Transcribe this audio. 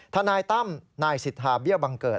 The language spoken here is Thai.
ทนายตั้มนายสิทธาเบี้ยบังเกิด